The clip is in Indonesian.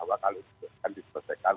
anggaran yang diperhatikan